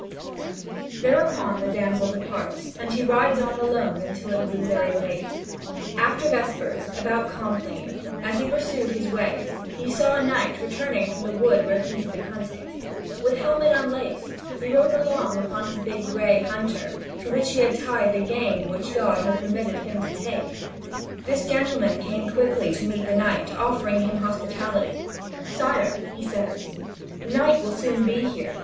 Thereupon the damsel departs, and he rides on alone until it grew very late. After vespers, about compline, as he pursued his way, he saw a knight returning from the wood where he had been hunting. With helmet unlaced, he rode along upon his big grey hunter, to which he had tied the game which God had permitted him to take. This gentleman came quickly to meet the knight, offering him hospitality. "Sire," he says, "night will soon be here.